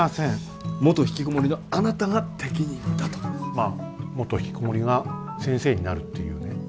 まあ元ひきこもりが先生になるっていうね